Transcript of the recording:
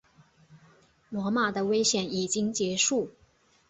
罗马的危险已经结束。